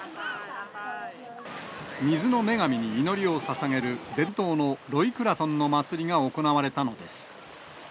水の女神に祈りをささげる伝統のロイクラトンの祭りが行われたのです。